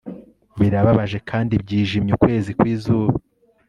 Birababaje kandi byijimye ukwezi kwizuba